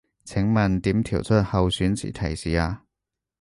請問點調出候選詞提示啊